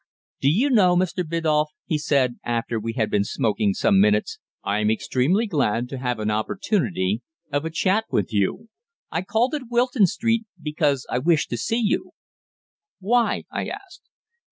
"Do you know, Mr. Biddulph," he said after we had been smoking some minutes, "I'm extremely glad to have this opportunity of a chat with you. I called at Wilton Street, because I wished to see you." "Why?" I asked.